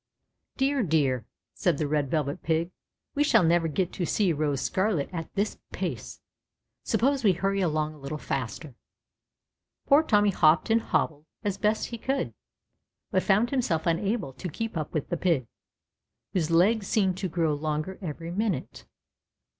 "Dear, dear!" said the Red Velvet Pig, "we shall never get to see Rose Scarlet at this pace. Suppose we hurry along a little faster." Poor Tommy hopped and hobbled as best he could, but found himself unable to keep up with the pig, whose legs seemed to grow longer every minute.